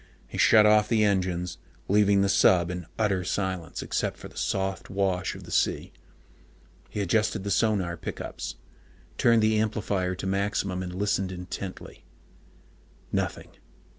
He shut off the engines, leaving the sub in utter silence except for the soft wash of the sea. He adjusted the sonar pickups, turned the amplifier to maximum, and listened intently. Nothing.